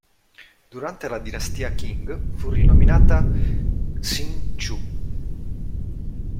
Durante la dinastia Qing fu rinominata Hsin-Chu.